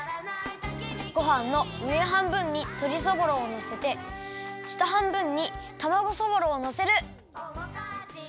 ごはんのうえはんぶんにとりそぼろをのせてしたはんぶんにたまごそぼろをのせる！